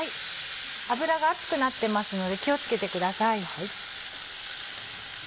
油が熱くなってますので気を付けてください。